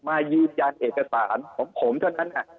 มายืนยันเอกสารของผมเท่านั้น